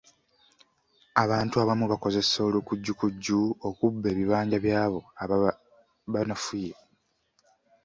Abantu abamu bakozesa olukujjukujju okubba ebibanja by’abo ababa banafuye.